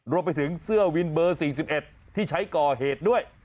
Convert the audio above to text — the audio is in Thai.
รวมไปถึงเสื้อวินเบอร์๔๑ที่ใช้ก่อเหตุด้วย